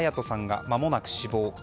がまもなく死亡。